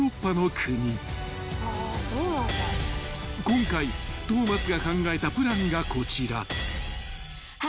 ［今回東松が考えたプランがこちら］